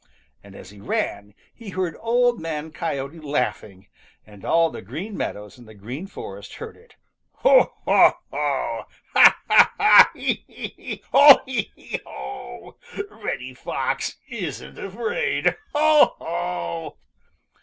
And as he ran, he heard Old Man Coyote laughing, and all the Green Meadows and the Green Forest heard it: "Ho, ho, ho! Ha, ha, ha! Hee, hee, hee! Ho, ha, hee, ho! Reddy Fox isn't afraid! Ho, ho!"